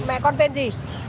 mẹ con tên gì